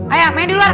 ayo main di luar